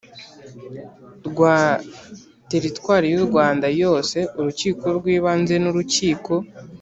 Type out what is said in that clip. rwa teritwari y u Rwanda yose urukiko rw ibanze n urukiko